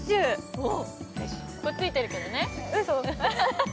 ここ、ついてるけどね。